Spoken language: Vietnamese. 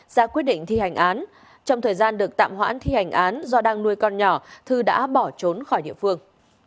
ra quyết định thi hành án trong thời gian được tạm hoãn thi hành án do đang nuôi con nhỏ thư đã bỏ trốn khỏi địa phương